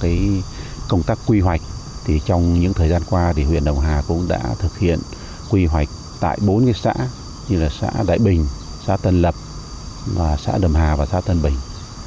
với công tác quy hoạch trong những thời gian qua huyện đồng hà cũng đã thực hiện quy hoạch tại bốn xã như là xã đại bình xã tân lập xã đồng hà và xã tân bình